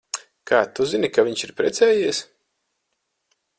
Kā tu zini, ka viņš ir precējies?